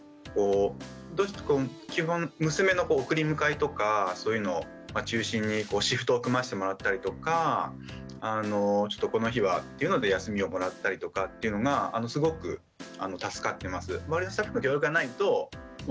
基本娘の送り迎えとかそういうのを中心にシフトを組ませてもらったりとかちょっとこの日はっていうので休みをもらったりとかっていうのがすごく助かってます。